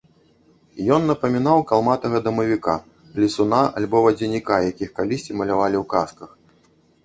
Ён напамінаў калматага дамавіка, лесуна або вадзяніка, якіх калісьці малявалі ў казках.